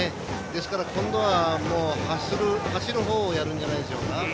ですから、今度は走るほうをやるんじゃないでしょうか。